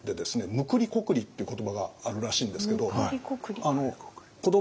「むくりこくり」っていう言葉があるらしいんですけど。